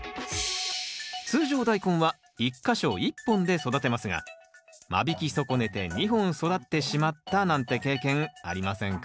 通常ダイコンは１か所１本で育てますが間引き損ねて２本育ってしまったなんて経験ありませんか？